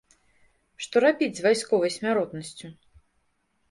Што рабіць з вайсковай смяротнасцю?